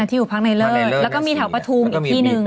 ที่อยู่พักในเลิศแล้วก็มีแถวปฐุมอีกที่หนึ่ง